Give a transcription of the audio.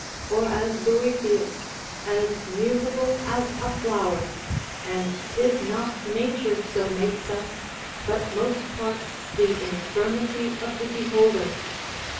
or as Boethius, as mutable as a flower, and 'tis not nature so makes us, but most part the infirmity of the beholder.